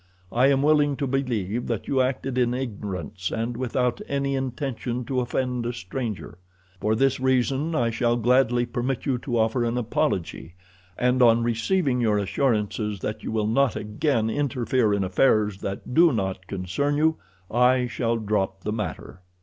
I am willing to believe that you acted in ignorance and without any intention to offend a stranger. For this reason I shall gladly permit you to offer an apology, and on receiving your assurances that you will not again interfere in affairs that do not concern you, I shall drop the matter.